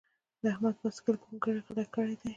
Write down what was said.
د احمد باسکل کونګري غلي کړي دي.